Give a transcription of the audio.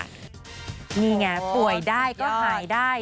นี่ไงป่วยได้ก็หายได้